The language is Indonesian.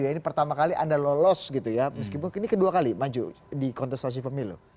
ini pertama kali anda lolos gitu ya meskipun ini kedua kali maju di kontestasi pemilu